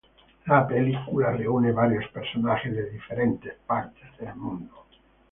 La película reúne varios personajes de diferentes partes del mundo.